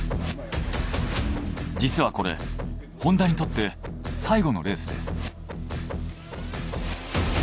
実はこれホンダにとって最後のレースです。